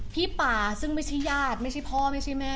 ป่าซึ่งไม่ใช่ญาติไม่ใช่พ่อไม่ใช่แม่